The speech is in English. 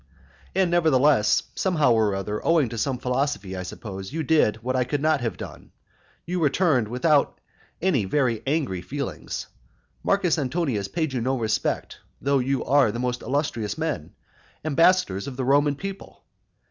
And nevertheless, somehow or other, owing to some philosophy, I suppose, you did what I could not have done, you returned without any very angry feelings. Marcus Antonius paid you no respect, though you were most illustrious men, ambassadors of the Roman people.